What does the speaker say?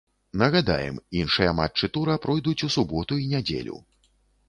Нагадаем, іншыя матчы тура пройдуць у суботу і нядзелю.